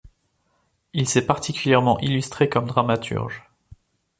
Il s'est particulièrement illustré comme dramaturge.